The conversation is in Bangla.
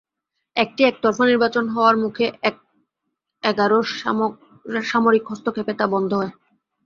একটি একতরফা নির্বাচন হওয়ার মুখে এক এগারোর সামরিক হস্তক্ষেপে তা বন্ধ হয়।